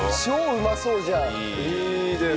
いいです。